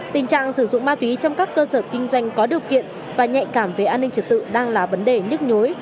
tình trạng sử dụng ma túy trong các cơ sở kinh doanh có điều kiện và nhạy cảm về an ninh trật tự đang là vấn đề nhức nhối